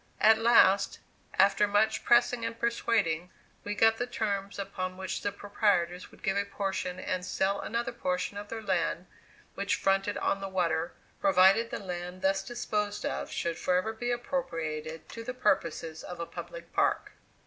At last, after much pressing and persuading, we got the terms upon which the proprietors would give a portion and sell another portion of their land which fronted on the water, provided the land thus disposed of should forever be appropriated to the purposes of a public park.